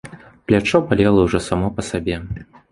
Плячо балела ўжо само па сабе.